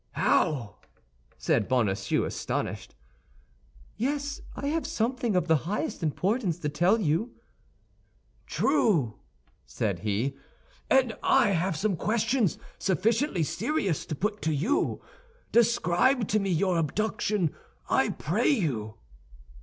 "How!" said Bonacieux, astonished. "Yes, I have something of the highest importance to tell you." "True," said he, "and I have some questions sufficiently serious to put to you. Describe to me your abduction, I pray you."